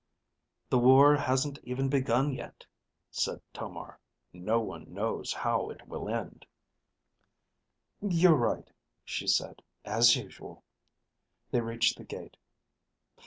"The war hasn't even begun yet," said Tomar. "No one knows how it will end." "You're right," she said, "as usual." They reached the gate.